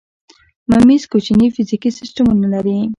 میمز کوچني فزیکي سیسټمونه دي.